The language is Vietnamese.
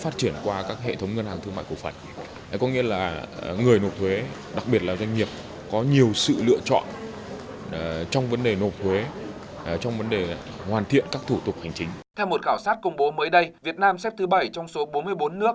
theo một khảo sát công bố mới đây việt nam xếp thứ bảy trong số bốn mươi bốn nước